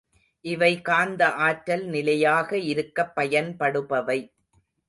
இவை காந்த ஆற்றல் நிலையாக இருக்கப் பயன்படுபவை.